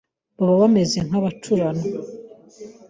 baba bameze nk’abacuranwa